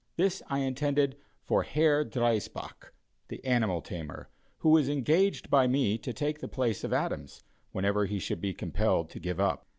This I intended for Herr Driesbach, the animal tamer, who was engaged by me to take the place of Adams, whenever he should be compelled to give up.